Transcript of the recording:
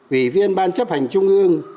ủy viên ban chấp hành trung ương